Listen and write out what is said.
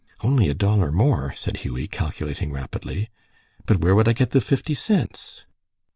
"Only a dollar more," said Hughie, calculating rapidly. "But where would I get the fifty cents?"